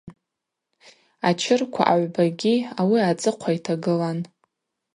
Ачырква агӏвбагьи ауи ацӏыхъва йтагылан.